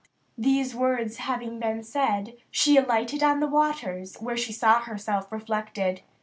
These words having been said, she alighted on the waters, where she saw herself reflected.